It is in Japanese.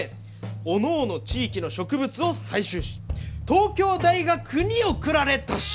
地域の植物を採集し東京大学に送られたし！」。